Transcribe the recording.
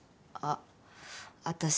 あっ。